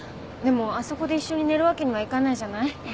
でもあそこで一緒に寝るわけにはいかないじゃない？